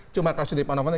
cuma kasih di panafanto